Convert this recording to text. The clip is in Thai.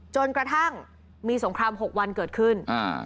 จนกระทั่งมีสงคราม๖วันเกิดขึ้น